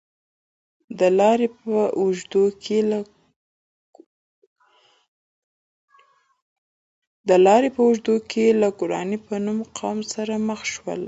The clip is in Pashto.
د لارې په اوږدو کې له ګوراني په نوم قوم سره مخ شول.